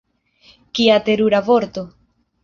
Kia terura vorto!